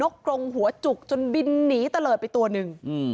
กรงหัวจุกจนบินหนีตะเลิศไปตัวหนึ่ง